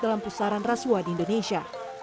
dalam pusaran rasuah di indonesia